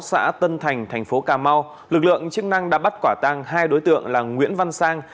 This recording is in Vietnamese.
xã tân thành thành phố cà mau lực lượng chức năng đã bắt quả tăng hai đối tượng là nguyễn văn sang